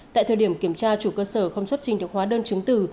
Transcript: tại thời điểm kiểm tra chủ cơ sở không xuất trình được hóa đơn chứng từ